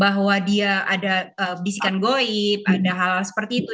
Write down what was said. bahwa dia ada bisikan goib ada hal hal seperti itu